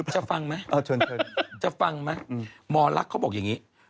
ฟังไหมจะฟังไหมหมอลักษณ์เขาบอกอย่างนี้